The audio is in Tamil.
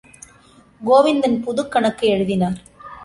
கோவிந்தன் புதுக்கணக்கு எழுதினார்.